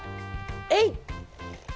えい。